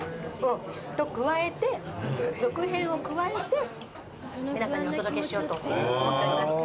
続編を加えて皆さんにお届けしようと思っております。